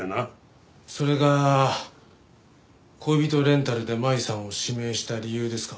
それが恋人レンタルで舞さんを指名した理由ですか？